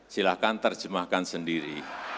silakan terjemahkan sendiri